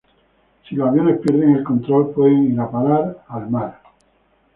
Si los aviones pierden el control pueden ir a parar en el mar.